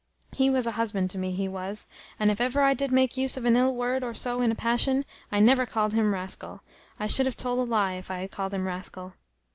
He was a husband to me, he was; and if ever I did make use of an ill word or so in a passion, I never called him rascal; I should have told a lie, if I had called him rascal."